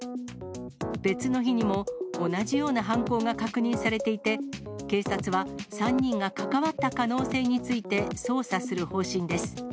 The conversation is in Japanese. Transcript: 別の日にも同じような犯行が確認されていて、警察は３人が関わった可能性について捜査する方針です。